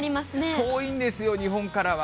遠いんですよ、日本からは。